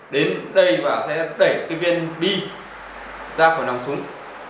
đến đây và sẽ đẩy cái viên bi ra khỏi lòng súng